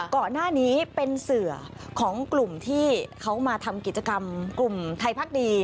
ก่อนหน้านี้เป็นเสือของกลุ่มที่เขามาทำกิจกรรมกลุ่มไทยพักดี